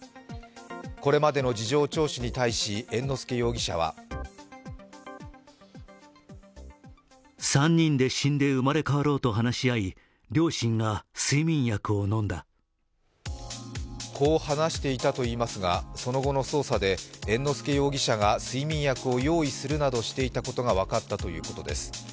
これまでの事情聴取に対し、猿之助容疑者はこう話していたといいますが、その後の捜査で猿之助容疑者が睡眠薬を用意するなどしていたことが分かったということです。